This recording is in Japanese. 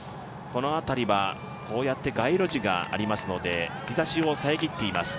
この辺りは、こうやって街路地がありますので日ざしを遮っています。